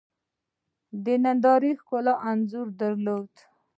د نندارې ښکلا انځور درلود.